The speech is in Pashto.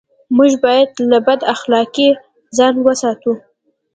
موږ بايد له بد اخلاقۍ ځان و ساتو.